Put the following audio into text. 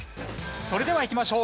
それではいきましょう。